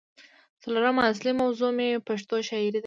څلورمه اصلي موضوع مې پښتو شاعرۍ